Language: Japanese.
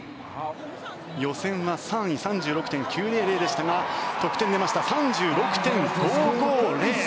予選は３位３６．９００でしたが得点出ました３６．５５０。